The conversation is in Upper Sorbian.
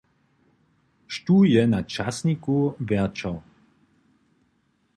Štó je na časniku wjerćał?